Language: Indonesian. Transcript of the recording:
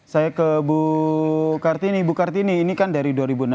saya ke bu kartini bu kartini ini kan dari dua ribu enam belas